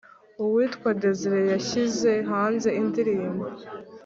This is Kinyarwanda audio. uwitwa Desire yashyize hanze indirimbo